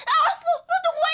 awas lo lo tunggu aja ya